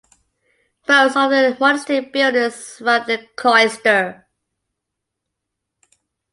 Most of the monastic buildings surround the cloister.